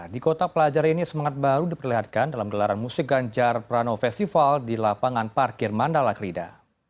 di kota pelajar ini semangat baru diperlihatkan dalam gelaran musik ganjar prano festival di lapangan parkir mandala krida